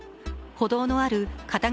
歩道のある片側